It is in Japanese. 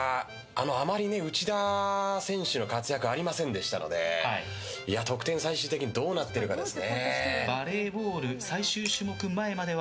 あまり内田選手の活躍ありませんでしたので得点、最終的にどうなってるかですね。